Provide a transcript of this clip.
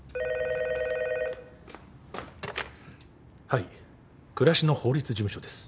☎はい暮らしの法律事務所です。